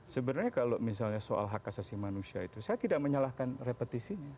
sebenarnya kalau misalnya soal hak asasi manusia itu saya tidak menyalahkan repetisinya